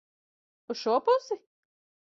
Uz šo pusi?